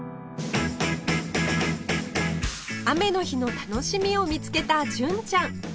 雨の日の楽しみを見つけた純ちゃん